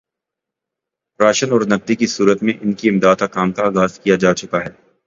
ration اور نقدی کی صورت میں ان کی امداد کے کام کا آغاز کیا جا چکا ہے